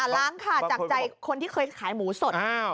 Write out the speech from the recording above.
ล้างค่ะจากใจคนที่เคยขายหมูสด